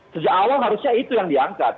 sejak awal harusnya itu yang diangkat